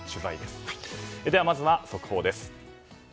ではまずは速報です。